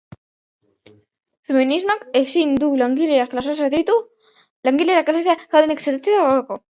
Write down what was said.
Feminismoak ezin du langileria klasea zatitu, langileria klasea jadanik zatituta dagoelako.